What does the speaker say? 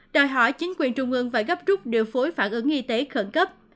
đòi hỏi chính quyền trung ương phải gấp rút điều phối phản ứng y tế khẩn cấp